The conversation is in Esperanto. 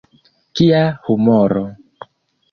Kia humoro!